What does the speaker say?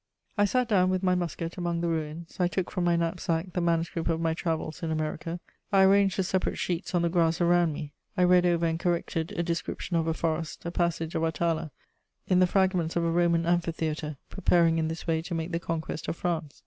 I sat down, with my musket, among the ruins; I took from my knapsack the manuscript of my travels in America; I arranged the separate sheets on the grass around me; I read over and corrected a description of a forest, a passage of Atala, in the fragments of a Roman amphitheatre, preparing in this way to make the conquest of France.